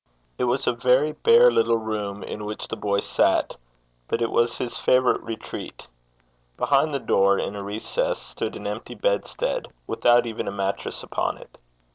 It was a very bare little room in which the boy sat, but it was his favourite retreat. Behind the door, in a recess, stood an empty bedstead, without even a mattress upon it.